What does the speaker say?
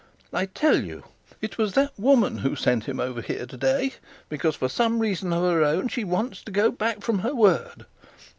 I tell you, it was that woman who sent him over here to day because, for some reason of her own, she wants to go back on her word.'